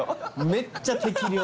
めっちゃ適量。